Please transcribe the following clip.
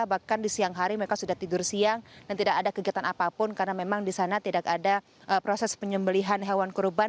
bahkan di siang hari mereka sudah tidur siang dan tidak ada kegiatan apapun karena memang di sana tidak ada proses penyembelihan hewan kurban